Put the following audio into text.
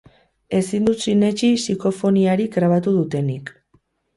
Ezin dut sinetsi psikofoniarik grabatu dutenik.